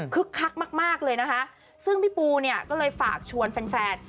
คักมากมากเลยนะคะซึ่งพี่ปูเนี่ยก็เลยฝากชวนแฟน